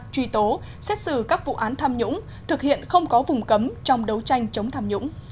truy tố xét xử các vụ án tham nhũng thực hiện không có vùng cấm trong đấu tranh chống tham nhũng